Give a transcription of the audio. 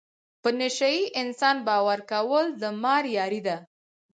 په نشه یې انسان باور کول د مار یاري ده.